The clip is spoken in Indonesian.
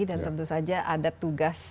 dan tentu saja ada tugas